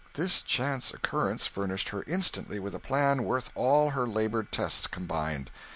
This chance occurrence furnished her instantly with a plan worth all her laboured tests combined.